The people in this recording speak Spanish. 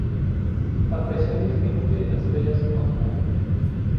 La presión disminuye y la estrella se contrae.